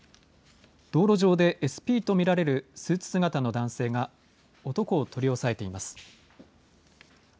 道路上でＳＰと見られるスーツ姿の男性が男を取り押さえています。